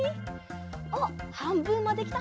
おっはんぶんまできた。